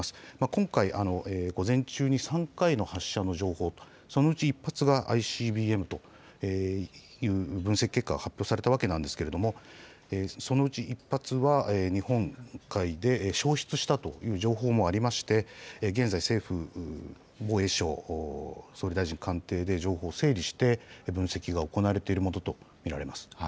今回、午前中に３回の発射の情報と、そのうち１発がＩＣＢＭという分析結果が発表されたわけなんですけれども、そのうち１発は日本海で消失したという情報もありまして、現在、政府、防衛省、総理大臣官邸で情報を整理して、分析が行われているものと見られます。